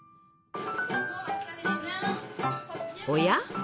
おや？